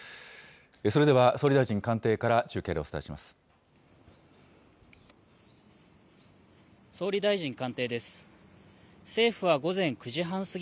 それでは総理大臣官邸から中継でお伝えします。